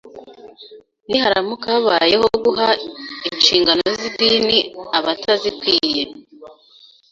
Niharamuka habayeho guha inshingano z’idini abatazikwiye